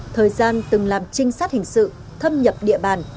thời gian từng làm trinh sát hình sự thâm nhập địa bàn